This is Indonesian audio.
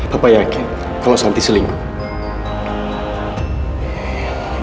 papa yakin kalau santi selingkuh